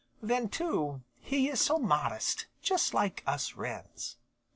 Then, too, he is so modest, just like us Wrens."